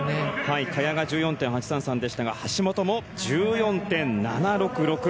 萱が１４．８３３でしたが橋本も１４．７６６。